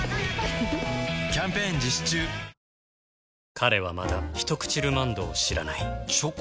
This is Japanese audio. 彼はまだ「ひとくちルマンド」を知らないチョコ？